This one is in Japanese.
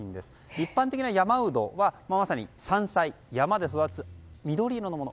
一般的な山ウドはまさに山菜、山で育つ緑色のもの。